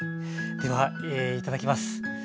ではいただきます。